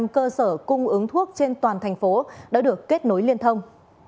tám mươi năm hai cơ sở cung ứng thuốc trên toàn thành phố đã được kết nối liên thông